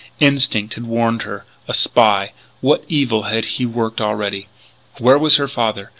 Instinct had warned her. A spy! What evil had he worked already? Where was her father?